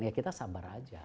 ya kita sabar aja